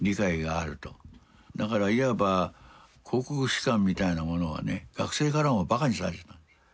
だからいわば「皇国史観」みたいなものはね学生からもバカにされてたんです。